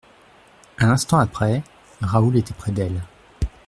Un instant après, Raoul était près d'elle.